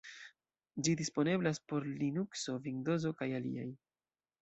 Ĝi disponeblas por Linukso, Vindozo kaj aliaj.